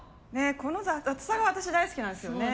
この雑さが私大好きなんですよね。